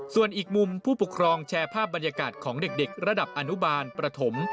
ส่วนอีกมุมผู้ปกครองแชร์ภาพบรรยากาศของเด็กระดับอนุบาลประถม